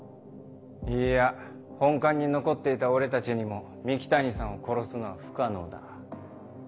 いいや本館に残っていた俺たちにも三鬼谷さんを殺すのは不可能だ。